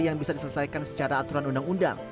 yang bisa diselesaikan secara aturan undang undang